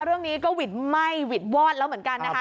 เรื่องนี้ก็หวิดไหม้หวิดวอดแล้วเหมือนกันนะคะ